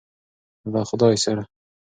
له خدای سره.